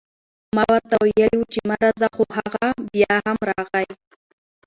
ما ورته وئيلي وو چې مه راځه، خو هغه بيا هم راغی